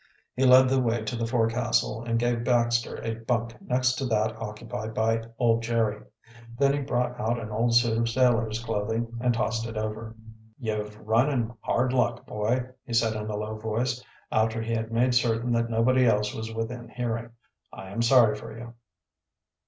He led the way to the forecastle and gave Baxter a bunk next to that occupied by old Jerry. Then he brought out an old suit of sailor's clothing and tossed it over. "You've run in hard luck, boy," he said in a low voice, after he had made certain that nobody else was within hearing. "I am sorry for you."